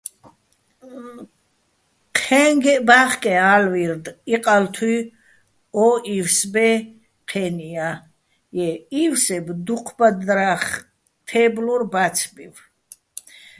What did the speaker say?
ჴე́ჼგეჸ ბა́ხკეჼ ა́ლვი́რდ-იყალთუი̆ ო ივსბე́ჲ, ჴე́ნიაჲ, ჲე́ ი́ვსებ დუჴ ბადრა́ხ თე́ბლორ ბა́ცბივ.